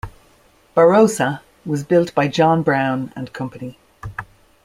"Barrosa" was built by John Brown and Company.